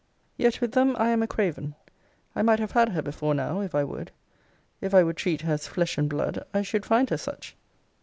Yet with them I am a craven. I might have had her before now, if I would. If I would treat her as flesh and blood, I should find her such.